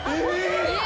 えっ！